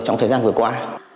trong thời gian vừa qua